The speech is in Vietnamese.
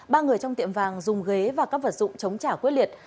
ba người trong tiệm vàng dùng ghế và các vật dụng chống trả quyết liệt